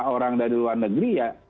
orang dari luar negeri ya